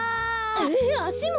えあしも！？